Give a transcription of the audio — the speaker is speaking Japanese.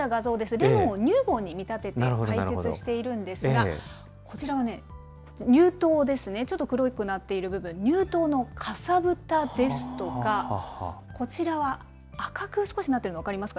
レモンを乳房に見立てて、解説しているんですが、こちらは乳頭ですね、ちょっと黒くなっている部分、乳頭のかさぶたですとか、こちらは赤く少しなってるの分かりますか？